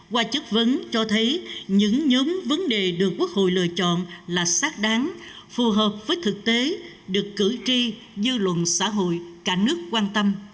qua chất vấn cho thấy những nhóm vấn đề được quốc hội lựa chọn là xác đáng phù hợp với thực tế được cử tri dư luận xã hội cả nước quan tâm